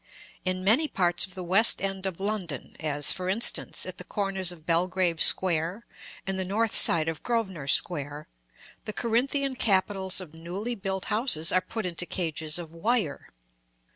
In many parts of the west end of London, as, for instance, at the corners of Belgrave Square, and the north side of Grosvenor Square, the Corinthian capitals of newly built houses are put into cages of wire.